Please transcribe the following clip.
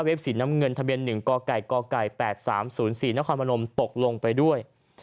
สีน้ำเงินทะเบียน๑กก๘๓๐๔นครพนมตกลงไปด้วย